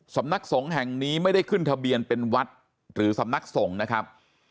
สำนักสงฆ์แห่งนี้ไม่ได้ขึ้นทะเบียนเป็นวัดหรือสำนักสงฆ์นะครับ